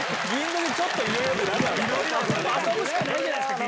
遊ぶしかないじゃないですか！